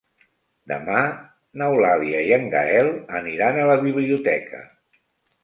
Demà n'Eulàlia i en Gaël aniran a la biblioteca.